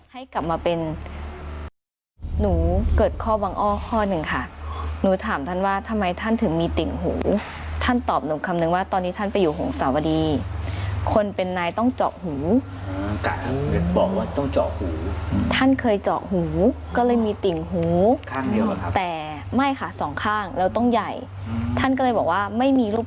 ให้กลับมาเป็นหนูเกิดข้อวางอ้อข้อหนึ่งค่ะหนูถามท่านว่าทำไมท่านถึงมีติ่งหูท่านตอบหนึ่งคำนึงว่าตอนนี้ท่านไปอยู่หงษาวดีคนเป็นนายต้องเจาะหู